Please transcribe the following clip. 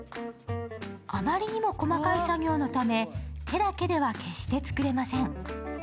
あまりにも細かい作業のため、手だけでは決して作れません。